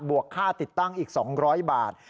วกค่าติดตั้งอีก๒๐๐บาท